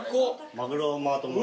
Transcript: マグロマート盛り。